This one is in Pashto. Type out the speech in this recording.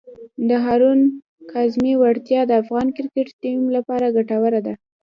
د هارون کاظمي وړتیا د افغان کرکټ ټیم لپاره ګټوره ده.